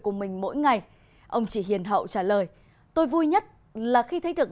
của mình mỗi ngày ông chỉ hiền hậu trả lời tôi vui nhất là khi thấy được